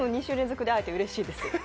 ２週連続で会えてうれしいです。